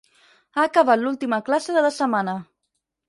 Ha acabat l'última classe de la setmana.